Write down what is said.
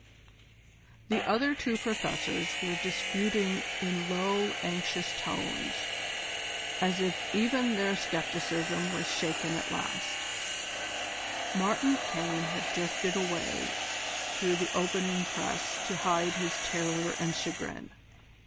The other two Professors were disputing in low, anxious tones, as if even their scepticism was shaken at last: Martin Caine had drifted away through the opening press to hide his terror and chagrin.